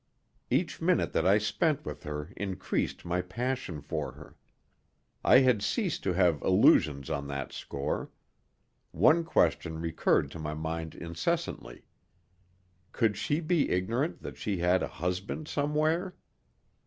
Each minute that I spent with her increased my passion for her. I had ceased to have illusions on that score. One question recurred to my mind incessantly. Could she be ignorant that she had a husband somewhere?